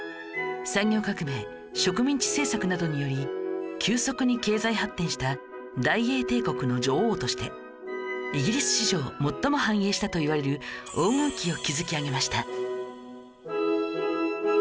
産業革命植民地政策などにより急速に経済発展した大英帝国の女王としてイギリス史上最も繁栄したといわれる黄金期を築き上げました